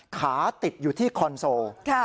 ติดอยู่ที่คอนโซล